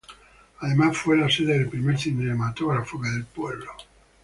Además fue la sede del primer cinematógrafo del pueblo.